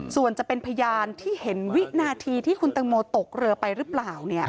ส่วนจะเป็นพยานที่เห็นวินาทีที่คุณตังโมตกเรือไปหรือเปล่า